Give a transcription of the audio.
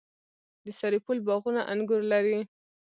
د سرپل باغونه انګور لري.